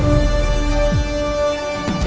anak buah dia